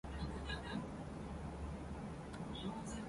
自分に優しく人にはもっと優しく